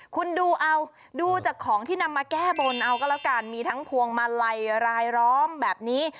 คุณดูเอาดูจากของที่นำมาแก้บนเอาก็แล้วกันมีทั้งพวงมาลัยรายล้อมแบบนี้